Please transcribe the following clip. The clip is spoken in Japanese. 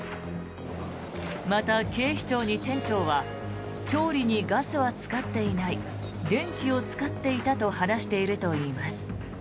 また、警視庁に店長は調理にガスは使っていない電気を使っていたと話しているといいます。